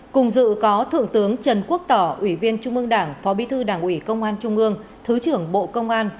cùng dự có thượng tướng trần quốc tỏ ủy viên trung ương đảng phó bí thư đảng ủy công an trung ương thứ trưởng bộ công an